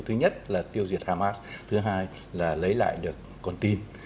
thứ nhất là tiêu diệt hamas thứ hai là lấy lại được con tin